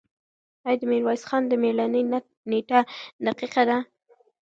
آیا د میرویس خان د مړینې نېټه دقیقه ده؟